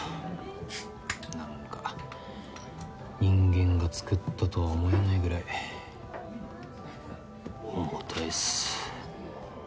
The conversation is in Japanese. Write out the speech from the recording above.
ふっ何か人間が作ったとは思えないぐらい重たいっす。